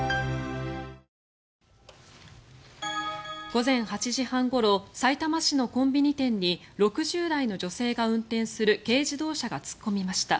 午前８時半ごろさいたま市のコンビニ店に６０代の女性が運転する軽自動車が突っ込みました。